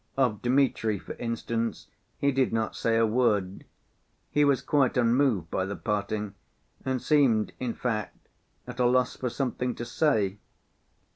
Of Dmitri, for instance, he did not say a word. He was quite unmoved by the parting, and seemed, in fact, at a loss for something to say.